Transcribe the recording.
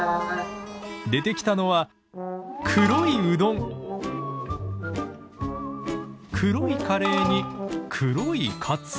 出てきたのは黒いカレーに黒いカツ。